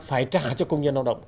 phải trả cho công nhân lao động